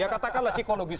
ya katakanlah psikologis